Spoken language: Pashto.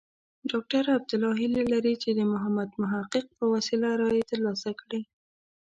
ډاکټر عبدالله هیله لري چې د محمد محقق په وسیله رایې ترلاسه کړي.